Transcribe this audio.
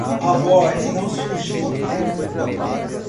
A voz não surgiu.